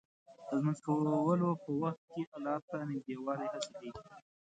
د لمونځ کولو په وخت کې الله ته نږدېوالی حاصلېږي.